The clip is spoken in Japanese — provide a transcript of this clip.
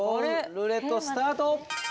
ルーレットスタート！